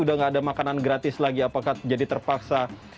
udah gak ada makanan gratis lagi apakah jadi terpaksa